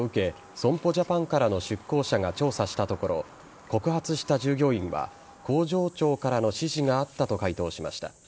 損保ジャパンからの出向者が調査したところ告発した従業員は工場長からの指示があったと回答しました。